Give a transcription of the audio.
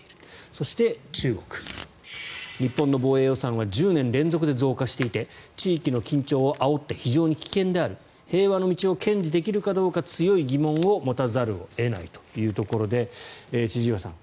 そして、中国日本の防衛予算は１０年連続で増加していて地域の緊張をあおって非常に危険である平和の道を堅持できるかどうか強い疑問を持たざるを得ないというところで千々岩さん